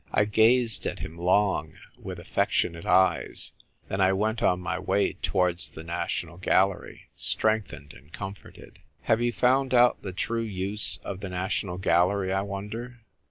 " I gazed at him long, with affectionate eyes ; then I went on my way towards the National Galler}' , strengthened and comforted. Have you found out the true use of the National Gallery, I wonder